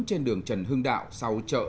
trên đường trần hưng đạo sau chợ